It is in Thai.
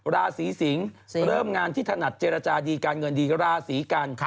ราศีสิงศ์เริ่มงานที่ถนัดเจรจาดีการเงินดีราศีกัน